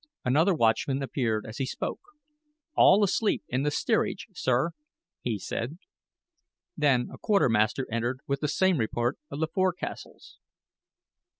Another watchman appeared as he spoke. "All asleep in the steerage, sir," he said. Then a quartermaster entered with the same report of the forecastles.